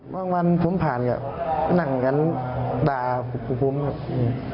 บางวันผมผ่านกับหนังกันดาผู้ภูมิ